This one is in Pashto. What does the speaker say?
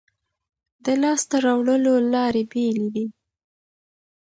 د لاسته راوړلو لارې بېلې دي.